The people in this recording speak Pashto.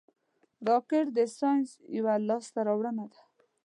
راکټ د ساینس یوه لاسته راوړنه ده